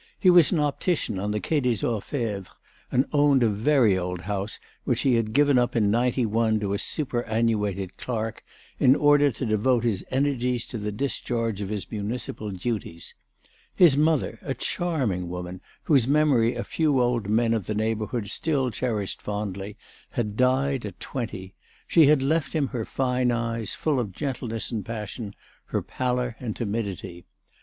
He was an optician on the Quai des Orfèvres, and owned a very old house which he had given up in '91 to a superannuated clerk in order to devote his energies to the discharge of his municipal duties. His mother, a charming woman, whose memory a few old men of the neighbourhood still cherished fondly, had died at twenty; she had left him her fine eyes, full of gentleness and passion, her pallor and timidity.